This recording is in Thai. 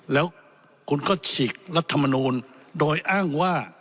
แล้วคุณก็ฉีกรัฐมนูลโดยอ้างว่า